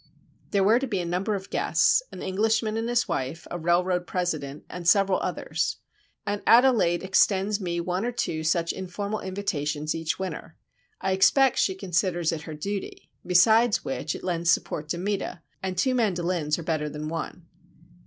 There were to be a number of guests: an Englishman and his wife, a railroad president, and several others. Aunt Adelaide extends me one or two such informal invitations each winter. I expect she considers it her duty,—besides which it lends support to Meta, and two mandolins are better than one.